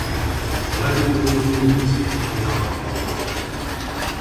A legnagyobb folyóvíz a Jaba-patak.